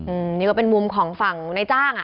อืมนี่ก็เป็นมุมของฝั่งในจ้างอ่ะ